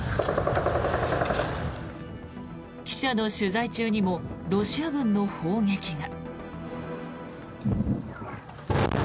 記者の取材中にもロシア軍の砲撃が。